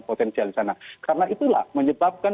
potensial di sana karena itulah menyebabkan